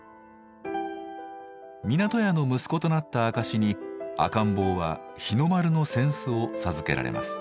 湊家の息子となった証しに赤ん坊は日の丸の扇子を授けられます。